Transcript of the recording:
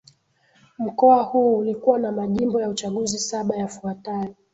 mkoa huu ulikuwa na majimbo ya uchaguzi saba yafuatayo